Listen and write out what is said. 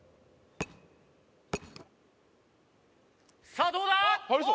さあどうだ？